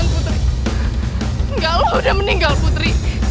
putri jangan putri